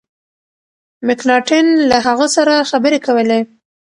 مکناټن له هغه سره خبري کولې.